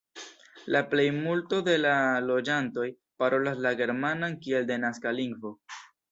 La plejmulto de la loĝantoj parolas la germanan kiel denaska lingvo.